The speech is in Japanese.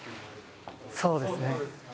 そうですね。